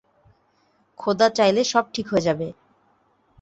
খোদা চাইলে সব ঠিক হয়ে যাবে।